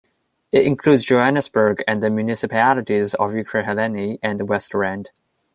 It includes Johannesburg and the municipalities of Ekurhuleni and West Rand.